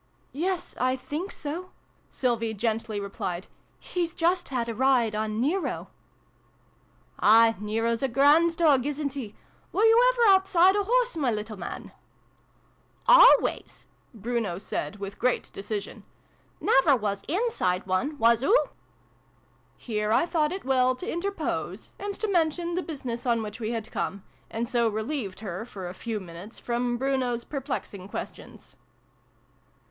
" Yes, I think so," Sylvie gently replied. " He's just had a ride on JVero." " Ah, Nero's a grand dog, isn't he ? Were you ever outside a horse, my little man ?" F 2 68 SYLVIE AND BRUNO CONCLUDED. " Always /" Bruno said with great decision. " Never was inside one. Was oo ?" Here I thought it well to interpose, and to mention the business on which we had come, and so relieved her, for a few minutes, from Bruno's perplexing questions.